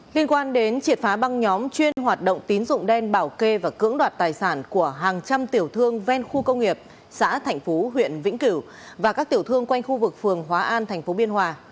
liên quan đến triệt phá băng nhóm chuyên hoạt động tín dụng đen bảo kê và cưỡng đoạt tài sản của hàng trăm tiểu thương ven khu công nghiệp xã thạnh phú huyện vĩnh cửu và các tiểu thương quanh khu vực phường hóa an tp biên hòa